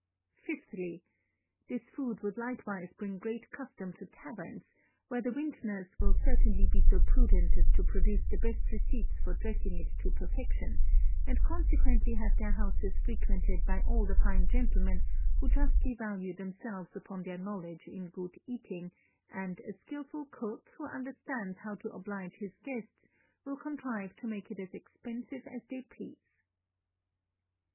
Fifthly, This food would likewise bring great custom to taverns, where the vintners will certainly be so prudent as to procure the best receipts for dressing it to perfection; and consequently have their houses frequented by all the fine gentlemen, who justly value themselves upon their knowledge in good eating; and a skilful cook, who understands how to oblige his guests, will contrive to make it as expensive as they please.